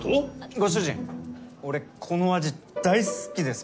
ご主人俺この味大好きです